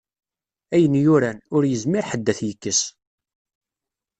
Ayen yuran, ur yezmir ḥedd ad t-yekkes.